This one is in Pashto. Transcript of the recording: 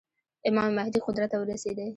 امام مهدي قدرت ته ورسېدی.